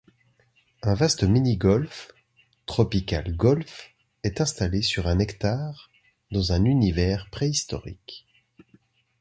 Un vaste mini-golf, Tropical Golf, est installé sur un hectare, dans un univers préhistorique.